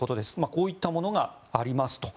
こういったものがありますと。